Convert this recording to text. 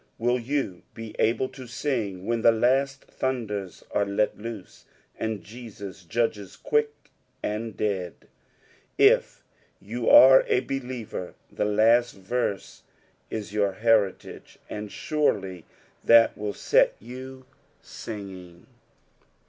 Will you be able to sing when the last thunders are let loose, and Jesua judges quick and dead ? If you are a believer, the last veiBd is your heritage, and surely that will set you singing.